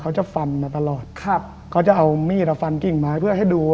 เขาจะฟันมาตลอดครับเขาจะเอามีดอ่ะฟันกิ่งไม้เพื่อให้ดู